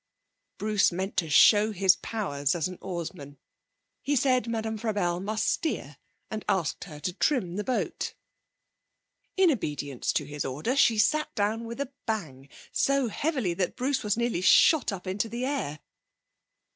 Bruce meant to show his powers as an oarsman. He said Madame Frabelle must steer and asked her to trim the boat. In obedience to his order she sat down with a bang, so heavily that Bruce was nearly shot up into the air.